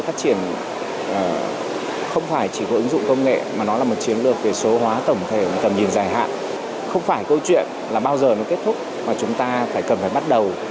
không phải câu chuyện là bao giờ nó kết thúc mà chúng ta phải cần phải bắt đầu